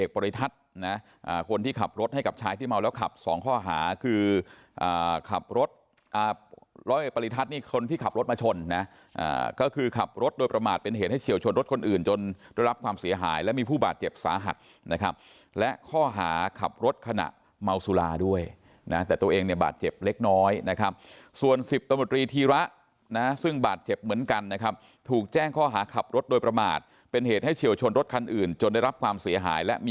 บริทัศน์นะคนที่ขับรถให้กับชายที่เมาแล้วขับ๒ข้อหาคือขับรถรอยปริทัศน์นี่คนที่ขับรถมาชนนะก็คือขับรถโดยประมาทเป็นเหตุให้เฉียวชนรถคนอื่นจนรับความเสียหายและมีผู้บาดเจ็บสาหัสนะครับและข้อหาขับรถขณะเมาสุราด้วยนะแต่ตัวเองเนี่ยบาดเจ็บเล็กน้อยนะครับส่วนสิบตมตรีทีระนะซึ่ง